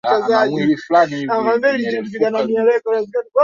Pilau ilipikwa hadi ikaiva